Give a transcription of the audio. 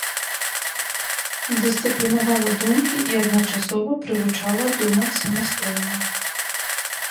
Дысцыплінавала думкі і адначасова прывучала думаць самастойна.